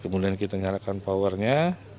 kemudian kita nyalakan powernya